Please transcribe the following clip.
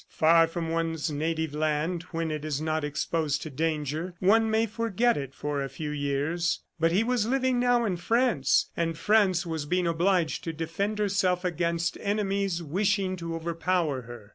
Far from one's native land when it is not exposed to danger, one may forget it for a few years. But he was living now in France, and France was being obliged to defend herself against enemies wishing to overpower her.